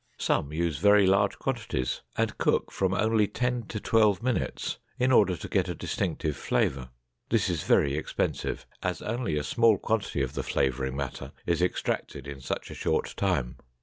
Some use very large quantities and cook from only ten to twelve minutes in order to get a distinctive flavor. This is very expensive, as only a small quantity of the flavoring matter is extracted in such a short time.